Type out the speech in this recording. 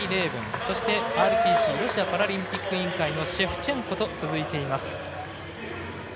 そして、ＲＰＣ＝ロシアパラリンピック委員会のシェフチェンコと続いています。